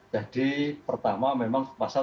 jadi pertama memang pasal tujuh puluh delapan